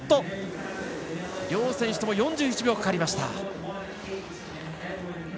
両選手とも４１秒かかりました。